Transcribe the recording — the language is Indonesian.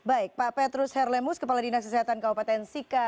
baik pak petrus herlemus kepala dinas kesehatan kabupaten sika